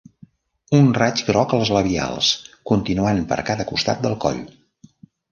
Un raig groc als labials, continuant per cada costat del coll.